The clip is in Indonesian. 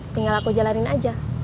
tinggal aku jalanin aja